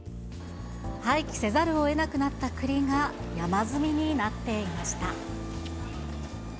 廃棄せざるをえなくなった栗が山積みになっていました。